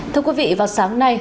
thưa quý vị vào sáng nay